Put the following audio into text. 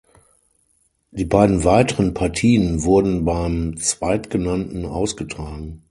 Die beiden weiteren Partien wurden beim Zweitgenannten ausgetragen.